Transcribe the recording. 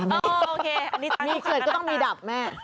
นะครับมีเครือก็ต้องดีดำแม่อ๋อโอเคอันนี้จังทุกข่างอนาตา